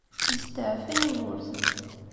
Yesteɛfa Yugurten.